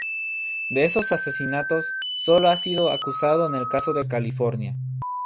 De esos asesinatos, sólo ha sido acusado en el caso de California.